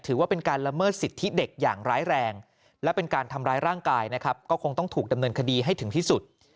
ถือว่าเป็นการละเมิดสิทธิเด็กอย่างร้ายแรงและเป็นการทำร้ายร่างกายนะครับก็คงต้องถูกดำเนินคดีให้ถึงที่สุด